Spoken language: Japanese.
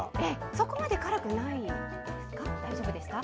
そこまで辛くないですか。